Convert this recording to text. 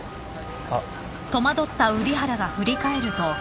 あっ。